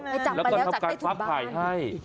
ไม่จับมาแล้วก็รับการฟักไข่ให้